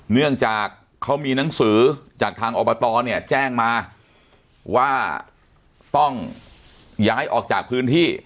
เนื่องจากเขามีหนังสือจากทางอบตเนี่ยแจ้งมาว่าต้องย้ายออกจากพื้นที่